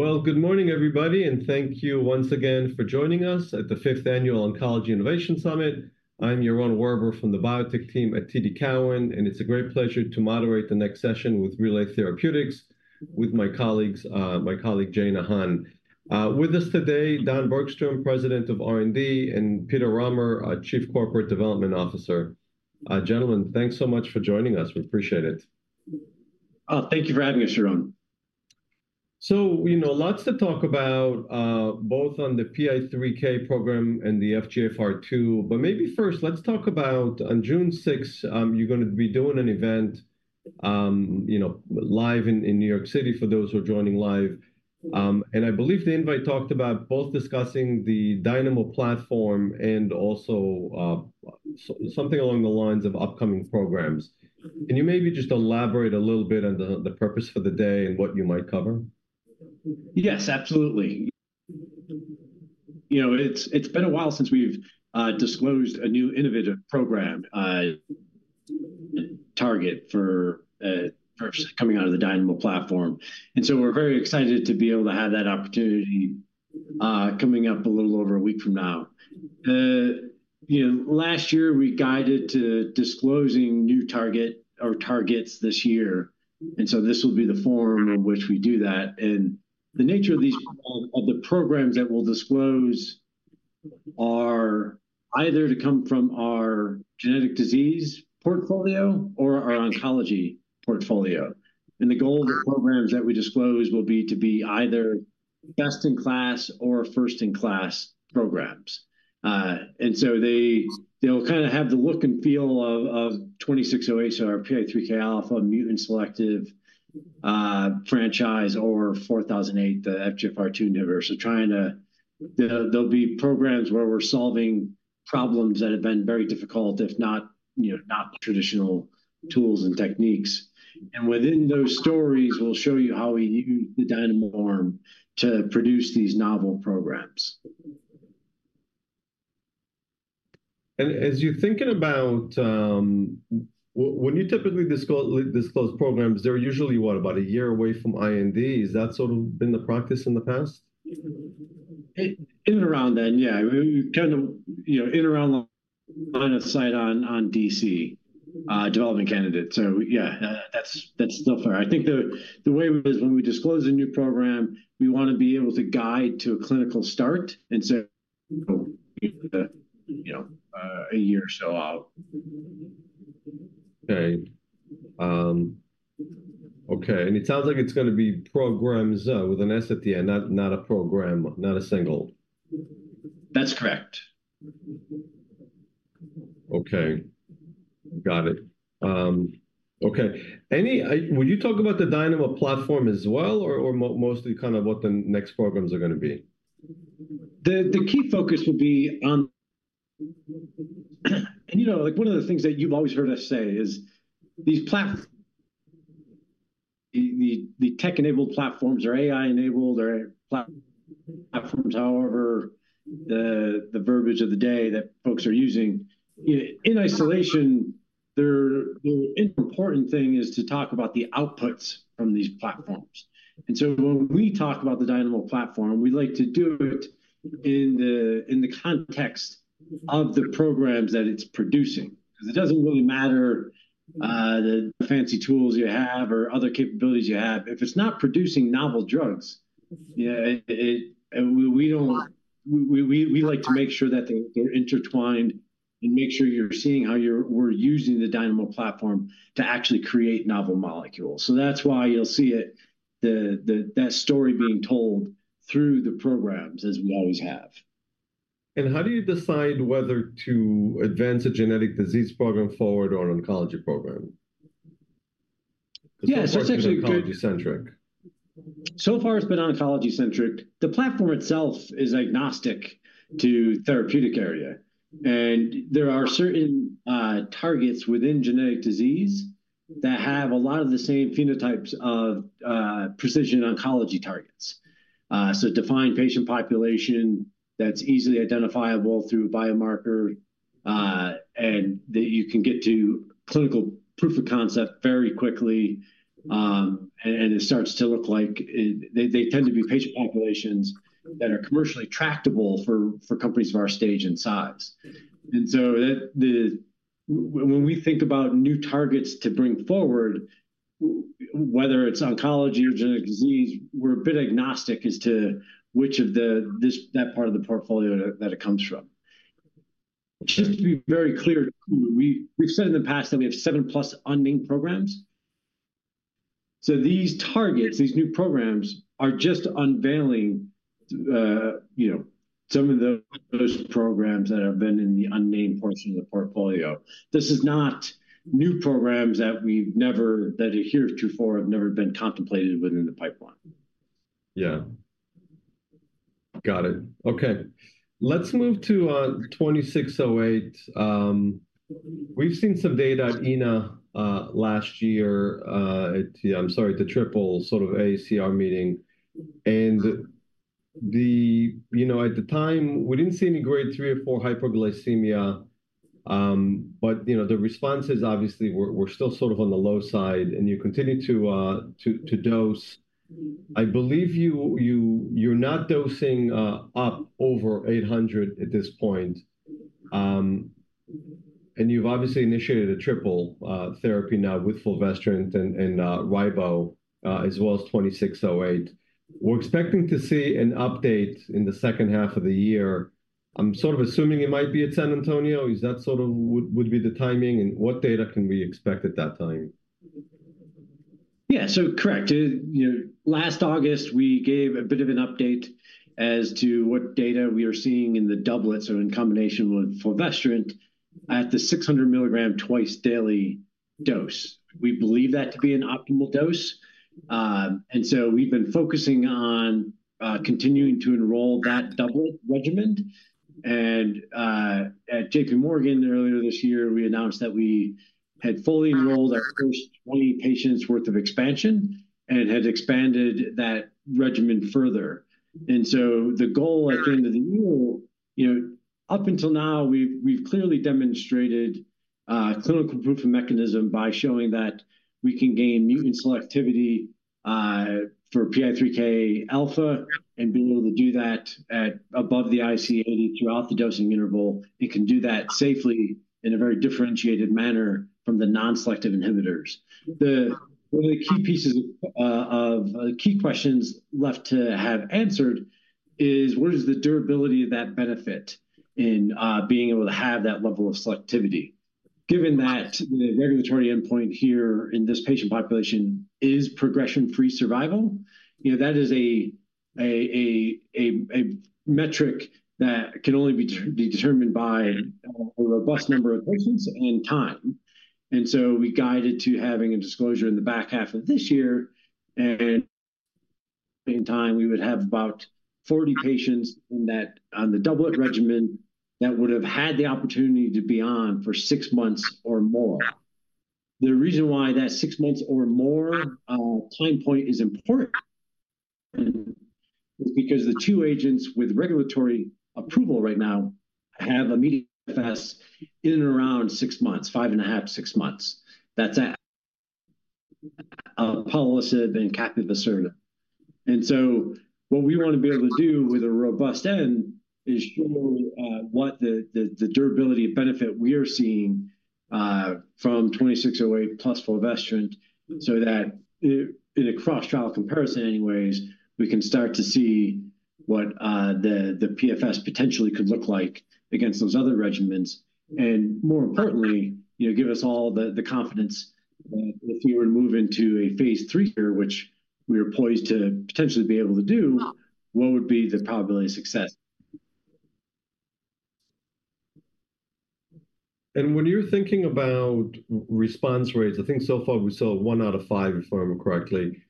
Well, good morning, everybody, and thank you once again for joining us at the fifth Annual Oncology Innovation Summit. I'm Yaron Werber from the biotech team at TD Cowen, and it's a great pleasure to moderate the next session with Relay Therapeutics, with my colleagues, my colleague, Jeanna Hahn. With us today, Don Bergstrom, President of R&D, and Pete Rahmer, our Chief Corporate Development Officer. Gentlemen, thanks so much for joining us. We appreciate it. Thank you for having us, Yaron. So we know lots to talk about, both on the PI3K program and the FGFR2. But maybe first, let's talk about on June sixth, you're gonna be doing an event, you know, live in New York City, for those who are joining live. And I believe the invite talked about both discussing the Dynamo platform and also, something along the lines of upcoming programs. Can you maybe just elaborate a little bit on the purpose for the day and what you might cover? Yes, absolutely. You know, it's been a while since we've disclosed a new innovative program, target for coming out of the Dynamo platform. And so we're very excited to be able to have that opportunity coming up a little over a week from now. You know, last year, we guided to disclosing new target or targets this year, and so this will be the forum in which we do that. And the nature of these, of the programs that we'll disclose are either to come from our genetic disease portfolio or our oncology portfolio. And the goal of the programs that we disclose will be to be either best-in-class or first-in-class programs. And so they'll kind of have the look and feel of 2608, so our PI3K alpha mutant selective franchise, or 4008, the FGFR2 inhibitor. So trying to... They'll be programs where we're solving problems that have been very difficult, if not, you know, not traditional tools and techniques. Within those stories, we'll show you how we use the Dynamo platform to produce these novel programs. As you're thinking about when you typically disclose programs, they're usually, what, about a year away from IND? Is that sort of been the practice in the past? In and around then, yeah. We kind of, you know, in and around the line of sight on DC development candidate. So, yeah, that's still fair. I think the way it is when we disclose a new program, we wanna be able to guide to a clinical start, and so, you know, a year or so out. Okay. Okay, and it sounds like it's gonna be programs with an S at the end, not, not a program, not a single. That's correct. Okay. Got it. Okay, will you talk about the Dynamo platform as well, or mostly kind of what the next programs are gonna be? The key focus will be on... And, you know, like, one of the things that you've always heard us say is, these tech-enabled platforms or AI-enabled or platforms, however, the verbiage of the day that folks are using, in isolation, they're the important thing is to talk about the outputs from these platforms. And so when we talk about the Dynamo platform, we like to do it in the context of the programs that it's producing. 'Cause it doesn't really matter, the fancy tools you have or other capabilities you have, if it's not producing novel drugs, yeah, it. And we like to make sure that they're intertwined and make sure you're seeing how we're using the Dynamo platform to actually create novel molecules. So that's why you'll see it, that story being told through the programs, as we always have. How do you decide whether to advance a genetic disease program forward or oncology program? Yeah, so it's actually- Oncology-centric. So far, it's been oncology-centric. The platform itself is agnostic to therapeutic area, and there are certain targets within genetic disease that have a lot of the same phenotypes of precision oncology targets. So defined patient population that's easily identifiable through biomarker, and that you can get to clinical proof of concept very quickly, and it starts to look like it—they tend to be patient populations that are commercially tractable for companies of our stage and size. And so that the... when we think about new targets to bring forward, whether it's oncology or genetic disease, we're a bit agnostic as to which of the, this, that part of the portfolio that it comes from. Just to be very clear, we've said in the past that we have 7+ unnamed programs. So these targets, these new programs, are just unveiling, you know, some of the, those programs that have been in the unnamed portion of the portfolio. This is not new programs that we've never, that heretofore have never been contemplated within the pipeline. Yeah. Got it. Okay, let's move to 2608. We've seen some data at EORTC-NCI-AACR last year at the triple sort of AACR meeting. You know, at the time, we didn't see any grade 3 or 4 hyperglycemia. But you know, the responses obviously were still sort of on the low side, and you continued to dose. I believe you're not dosing up over 800 at this point. And you've obviously initiated a triple therapy now with fulvestrant and ribo as well as 2608. We're expecting to see an update in the second half of the year. I'm sort of assuming it might be at San Antonio. Is that the timing, and what data can we expect at that time? Yeah, so correct. You know, last August, we gave a bit of an update as to what data we are seeing in the doublets or in combination with fulvestrant at the 600 milligram twice daily dose. We believe that to be an optimal dose. And so we've been focusing on continuing to enroll that doublet regimen. And at JP Morgan earlier this year, we announced that we had fully enrolled our first 20 patients worth of expansion and had expanded that regimen further. And so the goal at the end of the year, you know... Up until now, we've clearly demonstrated clinical proof of mechanism by showing that we can gain mutant selectivity for PI3K alpha, and being able to do that at above the IC80 throughout the dosing interval, and can do that safely in a very differentiated manner from the non-selective inhibitors. The one of the key pieces of key questions left to have answered is, what is the durability of that benefit in being able to have that level of selectivity? Given that the regulatory endpoint here in this patient population is progression-free survival, you know, that is a metric that can only be determined by a robust number of patients and time. We guided to having a disclosure in the back half of this year, and in time, we would have about 40 patients in that, on the doublet regimen, that would have had the opportunity to be on for 6 months or more. The reason why that 6 months or more time point is important is because the two agents with regulatory approval right now have a median PFS in and around 6 months, 5.5 months, 6 months. That's alpelisib and capivasertib. So what we want to be able to do with a robust end is show what the durability of benefit we are seeing from 2608+ fulvestrant, so that in a cross-trial comparison anyways, we can start to see what the PFS potentially could look like against those other regimens. More importantly, you know, give us all the confidence that if we were to move into a phase III here, which we are poised to potentially be able to do, what would be the probability of success? And when you're thinking about response rates, I think so far we saw one out of five, if I remember correctly.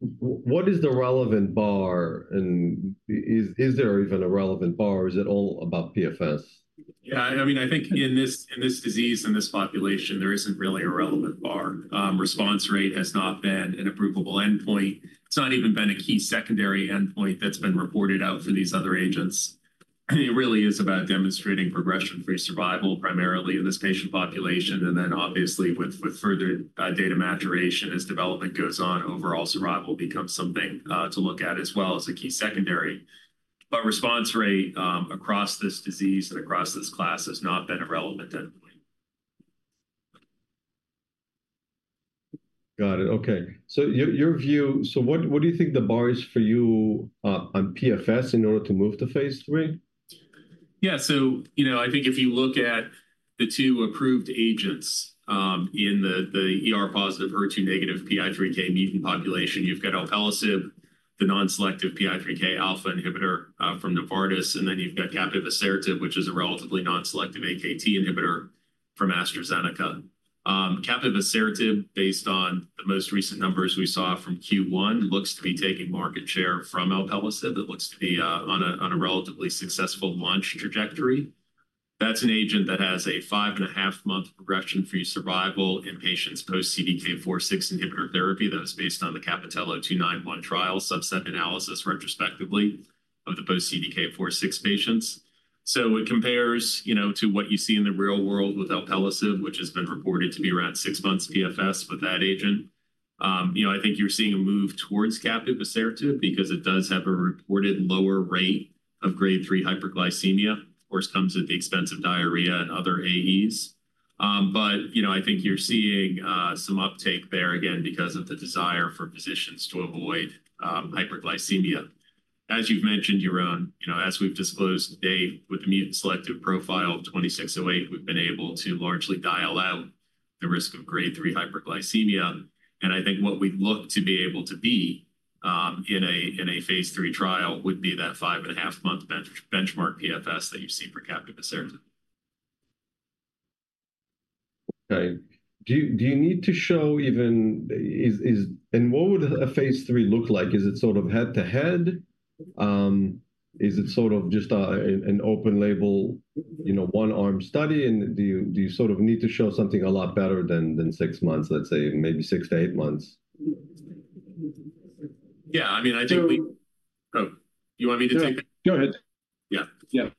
What is the relevant bar, and is there even a relevant bar, or is it all about PFS? Yeah, I mean, I think in this, in this disease, in this population, there isn't really a relevant bar. Response rate has not been an approvable endpoint. It's not even been a key secondary endpoint that's been reported out for these other agents. It really is about demonstrating progression-free survival, primarily in this patient population, and then obviously, with, with further, data maturation as development goes on, overall survival becomes something, to look at as well as a key secondary. But response rate, across this disease and across this class has not been a relevant endpoint. Got it. Okay. So what do you think the bar is for you on PFS in order to move to phase III? Yeah. So, you know, I think if you look at the two approved agents, in the, the ER-positive, HER2-negative, PI3K mutant population, you've got alpelisib, the non-selective PI3K alpha inhibitor, from Novartis, and then you've got capivasertib, which is a relatively non-selective AKT inhibitor from AstraZeneca. Capivasertib, based on the most recent numbers we saw from Q1, looks to be taking market share from alpelisib. It looks to be, on a, on a relatively successful launch trajectory. That's an agent that has a 5.5-month progression-free survival in patients post-CDK4/6 inhibitor therapy. That is based on the CAPItello-291 trial subset analysis, retrospectively, of the post-CDK4/6 patients. So it compares, you know, to what you see in the real world with alpelisib, which has been reported to be around 6 months PFS with that agent. You know, I think you're seeing a move towards capivasertib because it does have a reported lower rate of Grade 3 hyperglycemia, of course, comes at the expense of diarrhea and other AEs. But, you know, I think you're seeing some uptake there, again, because of the desire for physicians to avoid hyperglycemia. As you've mentioned, Yaron, you know, as we've disclosed today, with the mutant selective profile of RLY-2608, we've been able to largely dial out the risk of Grade 3 hyperglycemia. And I think what we'd look to be able to be, in a phase III trial would be that 5.5-month benchmark PFS that you've seen for capivasertib. Okay. Do you need to show even... Is it, and what would a phase 3 look like? Is it sort of head-to-head? Is it sort of just, an open label, you know, one-arm study? And do you sort of need to show something a lot better than 6 months, let's say, maybe 6 months-8 months? Yeah, I mean, I think- So- Oh, do you want me to take that? Go ahead. Yeah. Yeah.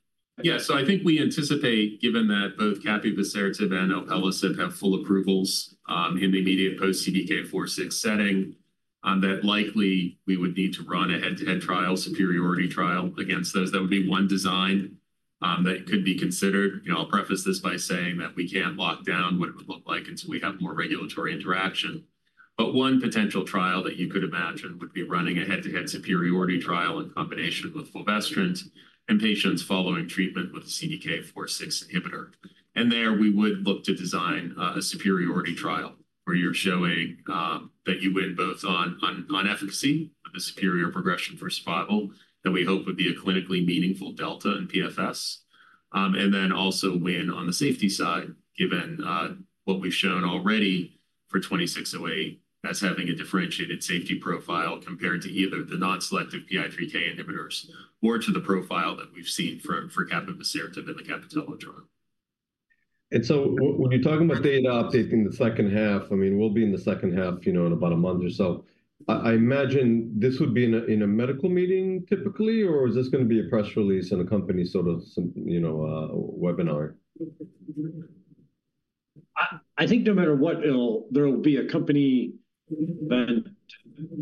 Yeah, so I think we anticipate, given that both capivasertib and alpelisib have full approvals, in the immediate post-CDK4/6 setting, that likely we would need to run a head-to-head trial, superiority trial against those. That would be one design, that could be considered. You know, I'll preface this by saying that we can't lock down what it would look like until we have more regulatory interaction. But one potential trial that you could imagine would be running a head-to-head superiority trial in combination with fulvestrant and patients following treatment with a CDK4/6 inhibitor. And there, we would look to design a superiority trial, where you're showing that you win both on efficacy, on the superior progression-free survival, that we hope would be a clinically meaningful delta in PFS. And then also win on the safety side, given what we've shown already for 2608, as having a differentiated safety profile compared to either the non-selective PI3K inhibitors or to the profile that we've seen for capivasertib and capmatinib. And so when you're talking about data updating the second half, I mean, we'll be in the second half, you know, in about a month or so. I imagine this would be in a medical meeting typically, or is this gonna be a press release and a company sort of some, you know, webinar? I think no matter what, there will be a company then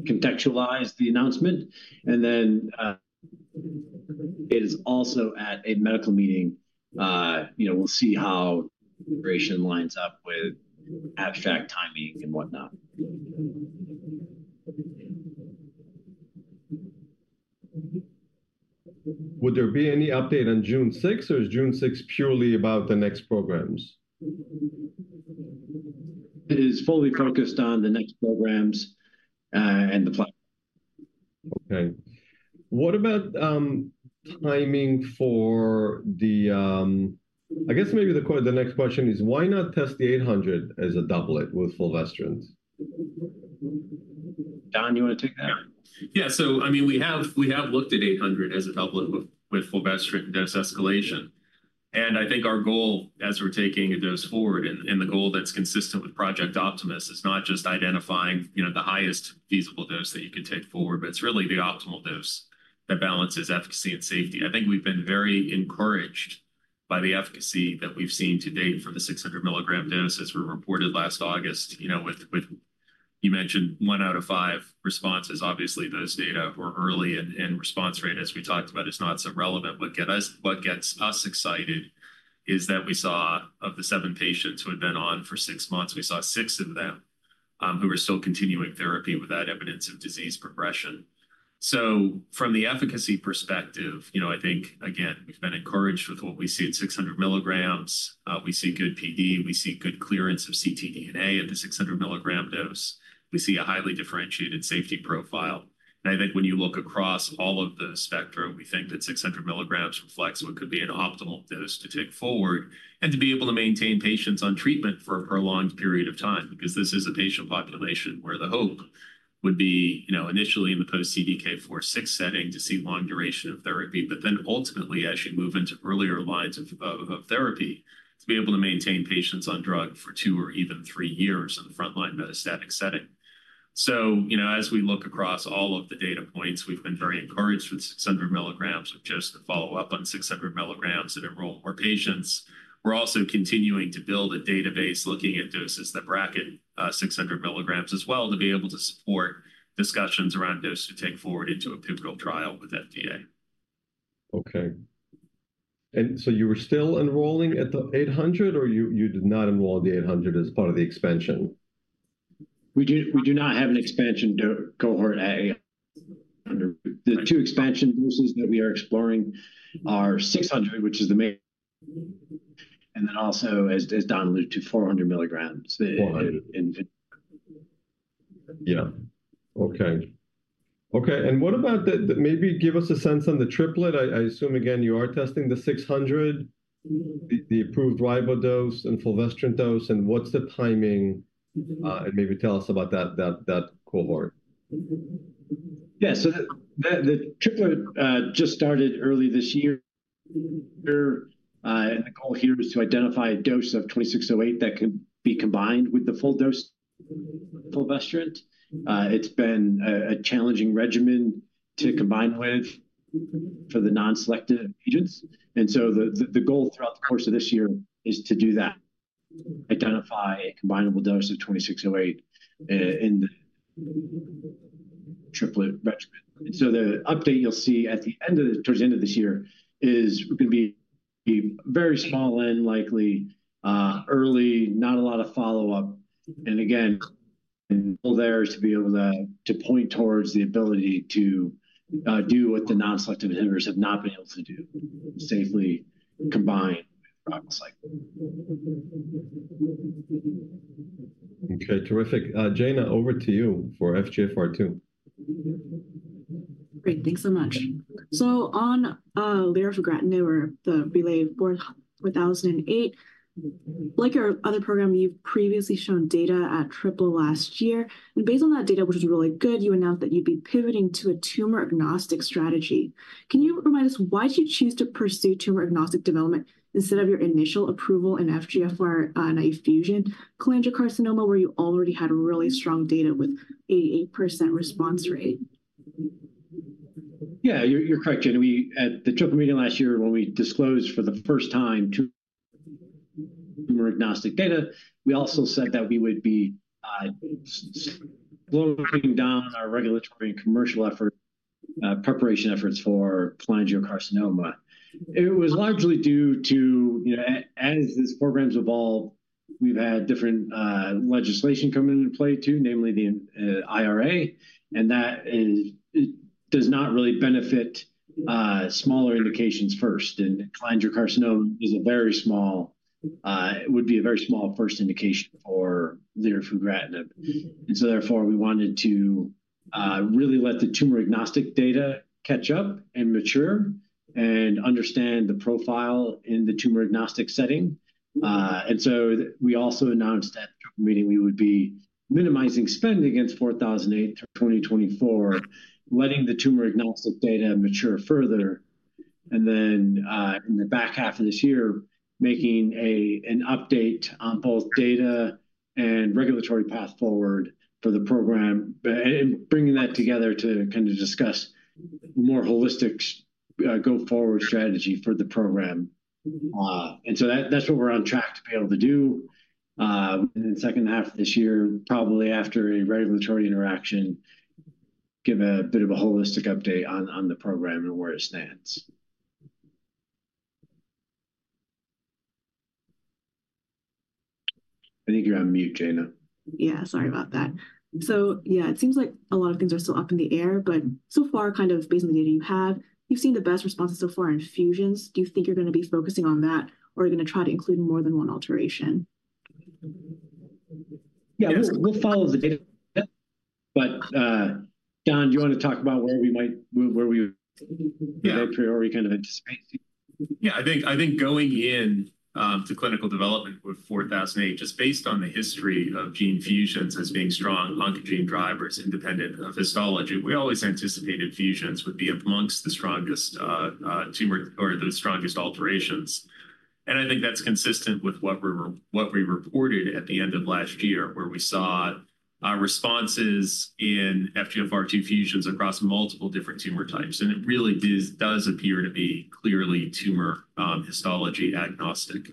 contextualize the announcement, and then, it is also at a medical meeting. You know, we'll see how integration lines up with abstract timings and whatnot. Would there be any update on June sixth, or is June sixth purely about the next programs? It is fully focused on the next programs, and the plan. Okay. What about timing for the... I guess maybe the next question is, why not test the 800 as a doublet with fulvestrant? Don, you wanna take that? Yeah. So I mean, we have looked at 800 as a doublet with fulvestrant dose escalation. And I think our goal, as we're taking a dose forward, and the goal that's consistent with Project Optimus, is not just identifying, you know, the highest feasible dose that you can take forward, but it's really the optimal dose that balances efficacy and safety. I think we've been very encouraged by the efficacy that we've seen to date for the 600 milligram dose, as we reported last August, you know, with—You mentioned 1 out of 5 responses. Obviously, those data were early, and response rate, as we talked about, is not so relevant. What gets us excited is that we saw, of the 7 patients who had been on for 6 months, we saw 6 of them, who were still continuing therapy without evidence of disease progression. So from the efficacy perspective, you know, I think, again, we've been encouraged with what we see at 600 milligrams. We see good PD, we see good clearance of ctDNA at the 600 milligram dose. We see a highly differentiated safety profile. And I think when you look across all of the spectrum, we think that 600 milligrams reflects what could be an optimal dose to take forward and to be able to maintain patients on treatment for a prolonged period of time. Because this is a patient population where the hope would be, you know, initially in the post-CDK4/6 setting, to see long duration of therapy. But then ultimately, as you move into earlier lines of therapy, to be able to maintain patients on drug for two or even three years in the frontline metastatic setting. So, you know, as we look across all of the data points, we've been very encouraged with 600 milligrams, with just the follow-up on 600 milligrams and enroll more patients. We're also continuing to build a database looking at doses that bracket 600 milligrams as well, to be able to support discussions around dose to take forward into a pivotal trial with FDA. Okay. And so you were still enrolling at the 800, or you did not enroll the 800 as part of the expansion? We do not have an expansion dose cohort. The two expansion doses that we are exploring are 600, which is the main. And then also, as Don alluded to, 400 milligrams- Four hundred -in, in. Yeah. Okay. Okay, and what about the triplet? Maybe give us a sense on the triplet. I assume, again, you are testing the 600, the approved ribo dose and fulvestrant dose, and what's the timing? And maybe tell us about that cohort. Yeah, so the triplet just started early this year. And the goal here is to identify a dose of 2608 that can be combined with the full dose fulvestrant. It's been a challenging regimen to combine with for the non-selective agents. And so the goal throughout the course of this year is to do that: identify a combinable dose of 2608 in the triplet regimen. So the update you'll see towards the end of this year is gonna be very small and likely early, not a lot of follow-up. And again, goal there is to be able to point towards the ability to do what the non-selective inhibitors have not been able to do, safely combine drugs like them. Okay, terrific. Jayna, over to you for FGFR2. Great. Thanks so much. So on lirafugratinib, the RLY-4008, like our other program, you've previously shown data at Triple last year. And based on that data, which is really good, you announced that you'd be pivoting to a tumor-agnostic strategy. Can you remind us why did you choose to pursue tumor-agnostic development instead of your initial approval in FGFR2 naive fusion cholangiocarcinoma, where you already had really strong data with 88% response rate? ... Yeah, you're correct, Jenna. We at the Triple meeting last year, when we disclosed for the first time the tumor-agnostic data, we also said that we would be slowing down our regulatory and commercial effort preparation efforts for cholangiocarcinoma. It was largely due to, you know, as these programs evolve, we've had different legislation come into play, too, namely the IRA, and that is it does not really benefit smaller indications first, and cholangiocarcinoma is a very small, it would be a very small first indication for lirafugratinib. And so therefore, we wanted to really let the tumor-agnostic data catch up and mature and understand the profile in the tumor-agnostic setting. And so we also announced at the meeting we would be minimizing spend against RLY-4008 through 2024, letting the tumor-agnostic data mature further. Then, in the back half of this year, making an update on both data and regulatory path forward for the program, but and bringing that together to kind of discuss more holistic go-forward strategy for the program. And so that, that's what we're on track to be able to do. In the second half of this year, probably after a regulatory interaction, give a bit of a holistic update on the program and where it stands. I think you're on mute, Jayna. Yeah, sorry about that. So yeah, it seems like a lot of things are still up in the air, but so far, kind of based on the data you have, you've seen the best responses so far in fusions. Do you think you're gonna be focusing on that, or are you gonna try to include more than one alteration? Yeah, we'll, we'll follow the data. But, Don, do you wanna talk about where we might - where we priority kind of anticipating? Yeah, I think, I think going in to clinical development with 4008, just based on the history of gene fusions as being strong oncogene drivers, independent of histology, we always anticipated fusions would be among the strongest tumor or the strongest alterations. And I think that's consistent with what we reported at the end of last year, where we saw responses in FGFR2 fusions across multiple different tumor types. And it really does appear to be clearly tumor histology agnostic.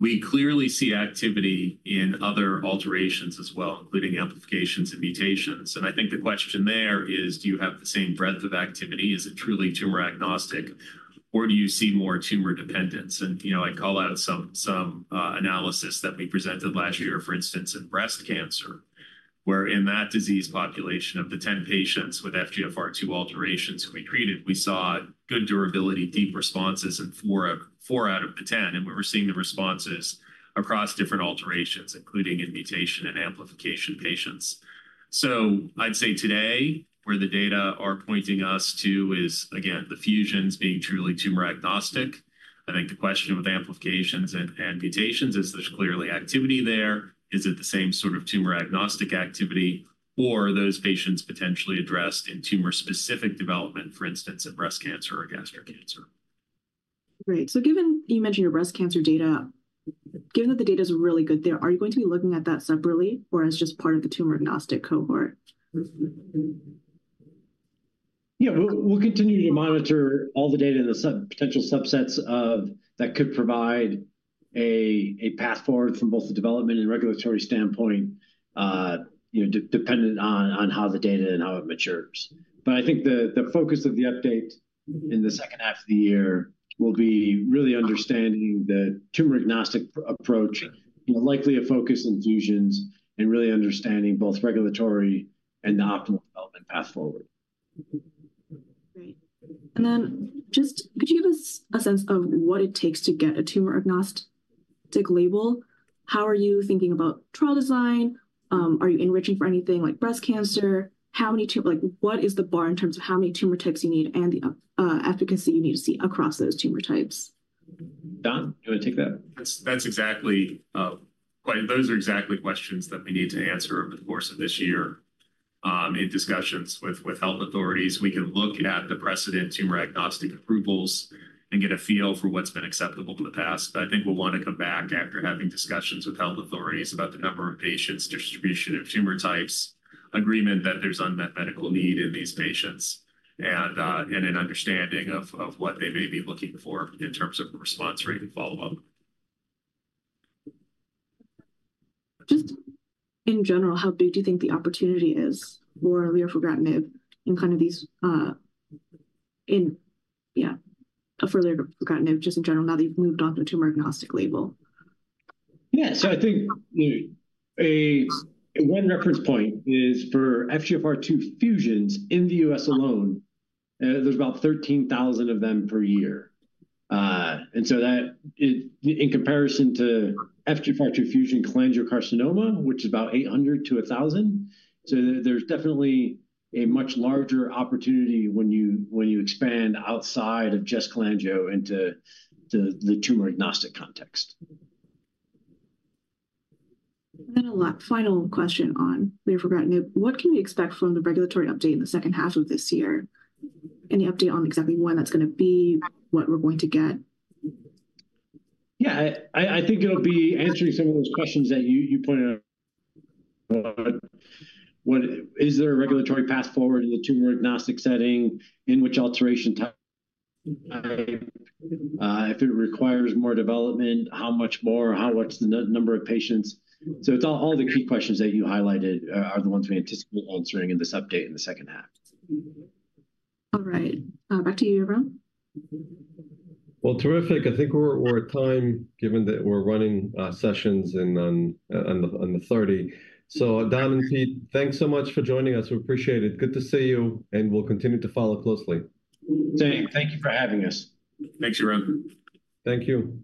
We clearly see activity in other alterations as well, including amplifications and mutations. And I think the question there is, do you have the same breadth of activity? Is it truly tumor agnostic, or do you see more tumor dependence? You know, I call out some analysis that we presented last year, for instance, in breast cancer, where in that disease population of the 10 patients with FGFR2 alterations who we treated, we saw good durability, deep responses in four out of the 10. And we were seeing the responses across different alterations, including in mutation and amplification patients. So I'd say today, where the data are pointing us to is, again, the fusions being truly tumor agnostic. I think the question with amplifications and mutations is, there's clearly activity there. Is it the same sort of tumor-agnostic activity, or are those patients potentially addressed in tumor-specific development, for instance, in breast cancer or gastric cancer? Great. So given you mentioned your breast cancer data, given that the data is really good there, are you going to be looking at that separately or as just part of the tumor-agnostic cohort? Yeah, we'll continue to monitor all the data and the potential subsets of... that could provide a path forward from both the development and regulatory standpoint, you know, dependent on how the data and how it matures. But I think the focus of the update in the second half of the year will be really understanding the tumor-agnostic approach, you know, likely to focus on fusions and really understanding both regulatory and the optimal development path forward. Great. And then just could you give us a sense of what it takes to get a tumor-agnostic label? How are you thinking about trial design? Are you enriching for anything like breast cancer? How many tumor types—like, what is the bar in terms of how many tumor types you need and the efficacy you need to see across those tumor types? Don, do you want to take that? That's, that's exactly, those are exactly questions that we need to answer over the course of this year, in discussions with, with health authorities. We can look at the precedent tumor-agnostic approvals and get a feel for what's been acceptable in the past. But I think we'll wanna come back after having discussions with health authorities about the number of patients, distribution of tumor types, agreement that there's unmet medical need in these patients, and, and an understanding of, of what they may be looking for in terms of response rate and follow-up. Just in general, how big do you think the opportunity is for lirafugratinib in kind of these, in, yeah, for lirafugratinib, just in general, now that you've moved on to a tumor-agnostic label? Yeah, so I think, a one reference point is for FGFR2 fusions in the U.S. alone, there's about 13,000 of them per year. And so that is in comparison to FGFR2 fusion cholangiocarcinoma, which is about 800-1,000. So there's definitely a much larger opportunity when you, when you expand outside of just cholangio into the, the tumor-agnostic context. A last final question on lirafugratinib. What can we expect from the regulatory update in the second half of this year? Any update on exactly when that's gonna be, what we're going to get? Yeah, I think it'll be answering some of those questions that you pointed out. Is there a regulatory path forward in the tumor-agnostic setting? In which alteration type? If it requires more development, how much more, what's the number of patients? So it's all the key questions that you highlighted are the ones we anticipate answering in this update in the second half. All right, back to you, Yaron. Well, terrific. I think we're at time, given that we're running sessions in on the 30. So Don and Pete, thanks so much for joining us. We appreciate it. Good to see you, and we'll continue to follow closely. Dave, thank you for having us. Thanks, Yaron. Thank you.